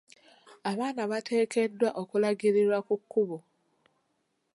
Abaana bateekeddwa okulagirirwa ku kkubo.